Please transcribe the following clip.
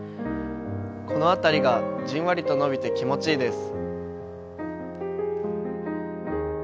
この辺りがじんわりと伸びて気持ちいいです。